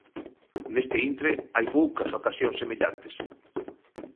Neste intre hai poucas ocasións semellantes.